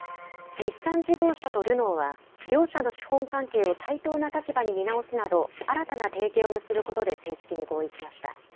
日産自動車とルノーは、両社の資本関係を対等な立場に見直すなど、新たな提携を結ぶことで正式に合意しました。